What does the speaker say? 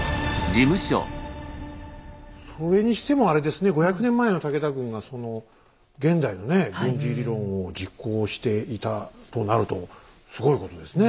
それにしてもあれですね５００年前の武田軍が現代のね軍事理論を実行していたとなるとすごいことですね。